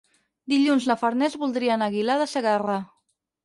Dilluns na Farners voldria anar a Aguilar de Segarra.